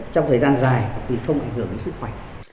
trong thời gian dài vì không ảnh hưởng đến sức khỏe